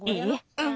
うん。